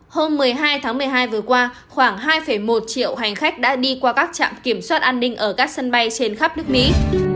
hôm một mươi hai tháng một mươi hai vừa qua khoảng hai một triệu hành khách đã đi qua các trạm kiểm soát an ninh ở các sân bay trên khắp nước mỹ